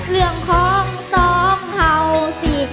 เรื่องของสองเห่าสิ